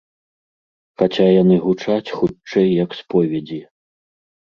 Хаця яны гучаць хутчэй як споведзі.